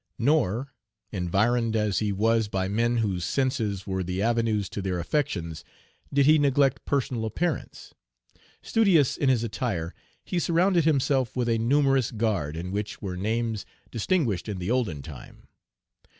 Nor, environed as he was by men whose senses were the avenues to their affections, did he neglect personal appearance. Studious in his attire, he surrounded himself with a numerous guard, in which were names distinguished in the olden time.